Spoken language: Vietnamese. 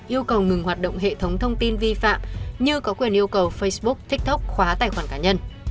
yêu cầu ngừng hoạt động hệ thống thông tin vi phạm như có quyền yêu cầu facebook tiktok khóa tài khoản cá nhân